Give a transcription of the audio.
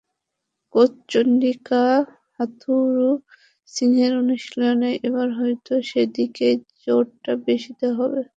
Coach Chandika হাথুরুসিংহের অনুশীলনে এবার হয়তো সেদিকেই জোরটা বেশি দেওয়া হবে।